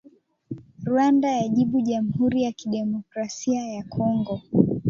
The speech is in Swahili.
Rwanda yajibu Jamhuri ya Kidemokrasia ya Kongo